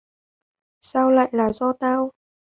sao lại là do tao